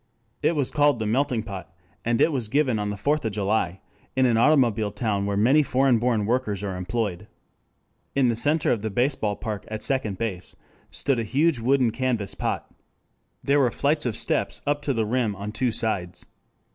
It was called the Melting Pot, and it was given on the Fourth of July in an automobile town where many foreign born workers are employed. In the center of the baseball park at second base stood a huge wooden and canvas pot. There were flights of steps up to the rim on two sides.